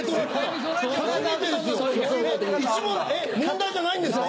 問題じゃないんですか？